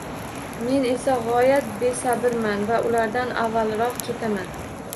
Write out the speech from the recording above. Men esa g`oyat besabrman va ulardan avvalroqketaman